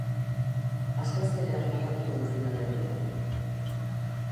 Asteazkenean jokatuko du finalerdia.